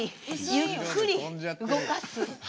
「ゆっくり動かす？」